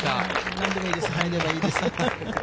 なんでもいいです、入ればいいです。